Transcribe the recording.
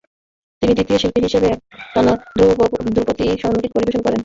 তিনি দ্বিতীয় শিল্পী হিসাবে একটানা ধ্রুপদী সঙ্গীত পরিবেশন করেন।